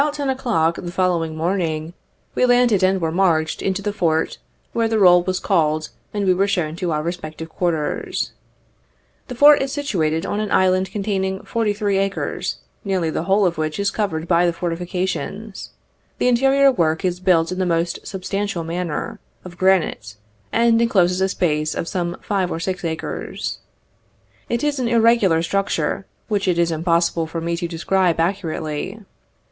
About 10 o'clock the following morning we landed, and were marched into the Fort, where the roll was called, and we were shown to our respective quarters. The Fort is situated on an island containing forty three acres, nearly the whole of which is covered by the fortifications. The interior work is built in the most substantial manner, of granite, and encloses a space of some five or six acres. It is an irregular structure, which it is impossible for me to describe accurately.